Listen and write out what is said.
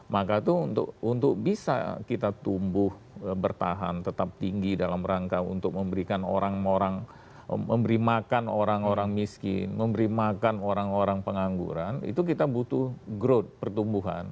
maka itu untuk bisa kita tumbuh bertahan tetap tinggi dalam rangka untuk memberikan orang orang memberi makan orang orang miskin memberi makan orang orang pengangguran itu kita butuh growth pertumbuhan